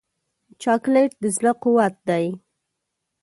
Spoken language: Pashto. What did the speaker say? چاکلېټ د زړه قوت دی.